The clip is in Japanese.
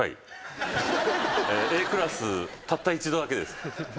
Ａクラスたった一度だけです。